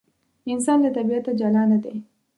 انسان له طبیعته جلا نه دی.